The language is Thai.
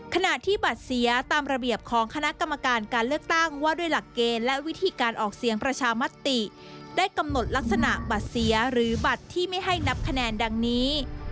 ขณะที่บัตรเสียตามระเบียบของคณะกรรมการการเลือกตั้งว่าด้วยหลักเกณฑ์และวิธีการออกเสียงประชามติได้กำหนดลักษณะบัตรเสียหรือบัตรที่ไม่ให้นับคะแนนดังนี้